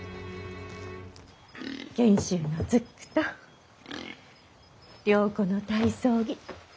賢秀のズックと良子の体操着。